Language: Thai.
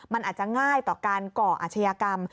มันอาจจะง่ายต่อการก่ออาชญากรรม